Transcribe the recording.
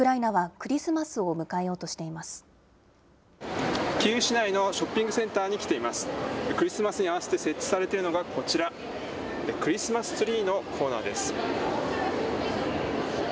クリスマスに合わせて設置されているのがこちら、クリスマスツリーのコーナーです。